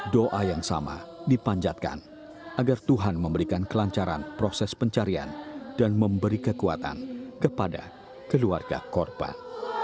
doa yang sama dipanjatkan agar tuhan memberikan kelancaran proses pencarian dan memberi kekuatan kepada keluarga korban